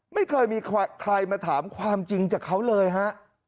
ไม่เคยมีใครมาถามความจริงจากเขาเลยฮะ